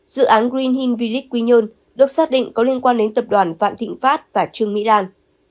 dự án green hing vlic quy nhơn được xác định có liên quan đến tập đoàn vạn thịnh pháp và trương mỹ lan